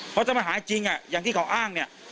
เพราะถ้ามาหาจริงอย่างที่เขาอ้างเนี่ย